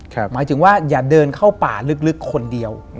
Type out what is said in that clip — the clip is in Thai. หมายถึงว่าอย่าเดินเข้าป่าลึกคนเดียว